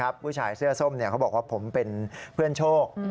ผู้ชายเสื้อส้มเขาบอกว่าผมเป็นเพื่อนโชค